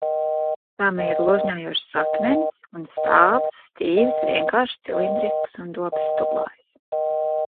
Tam ir ložņājošs saknenis un stāvs, stīvs, vienkāršs, cilindrisks un dobs stublājs.